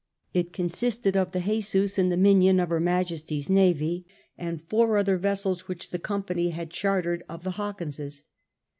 ^ It consisted of the Jesus and the Minion of Her Majesty's navy, and four other vessels which the Company had chartered of the Hawkinses.